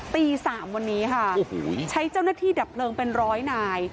ตี๓วันนี้ค่ะใช้เจ้าหน้าที่ดับเพลิงเป็นร้อยนาย